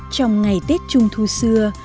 trong ngày tết trung thu xưa